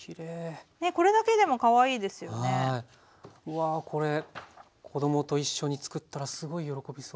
わあこれ子供と一緒につくったらすごい喜びそう。